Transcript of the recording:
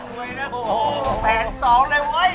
โอ้โหแผนสอบเลยโอ้โห